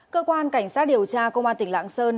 cơ quan cảnh sát điều tra công an tỉnh lạng sơn